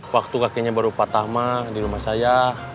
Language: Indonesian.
waktu kakinya baru patah mah di rumah saya